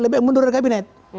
lebih mundur dari kabinet